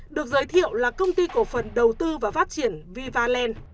được giới thiệu là công ty cổ phần đầu tư và phát triển viva land